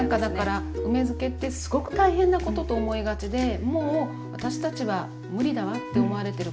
梅漬けってすごく大変なことと思いがちでもう私たちは無理だわって思われてる方